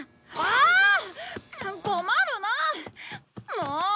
もう。